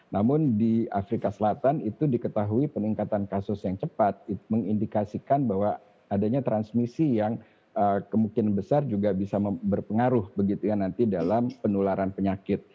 namun di afrika selatan itu diketahui peningkatan kasus yang cepat mengindikasikan bahwa adanya transmisi yang kemungkinan besar juga bisa berpengaruh begitu ya nanti dalam penularan penyakit